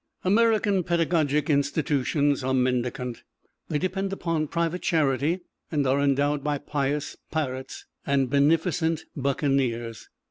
American pedagogic institutions are mendicant they depend upon private charity and are endowed by pious pirates and beneficent buccaneers.